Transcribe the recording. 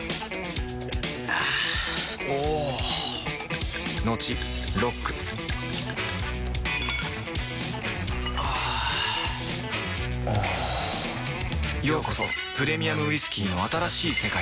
あぁおぉトクトクあぁおぉようこそプレミアムウイスキーの新しい世界へ